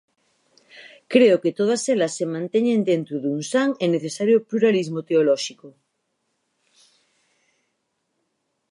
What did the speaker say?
Creo que todas elas se manteñen dentro dun san e necesario pluralismo teolóxico.